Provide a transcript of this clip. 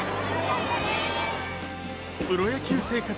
プロ野球生活